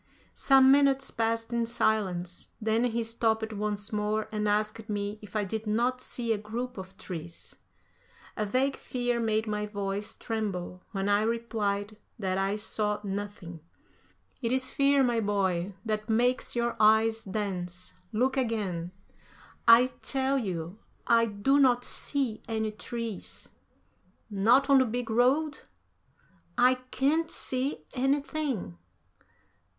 Some minutes passed in silence; then he stopped once more and asked me if I did not see a group of trees. A vague fear made my voice tremble when I replied that I saw nothing. "It is fear, my boy, that makes your eyes dance; look again." "I tell you, I do not see any trees." "Not on the big road?" "I can't see anything."